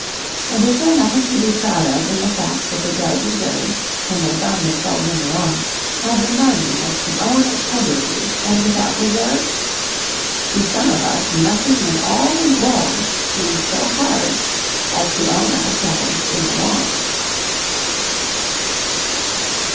And is there nothing to be proud of in the fact that the judge and jury, when they found themselves in the wrong, had the manliness to own it publicly and without reserve? To some of us nothing in all the world seems so hard as to own ourselves in the wrong.